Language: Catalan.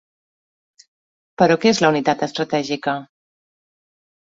Però què és la unitat estratègica?